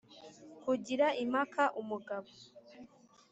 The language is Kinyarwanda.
kugira impaka umugabo